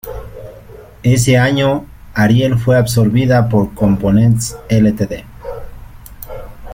Ese año, Ariel fue absorbida por "Components Ltd.